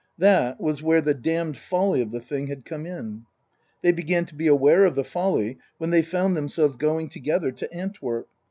That was where the damned folly of the thing had come in. They began to be aware of the folly when they found themselves going together to Antwerp.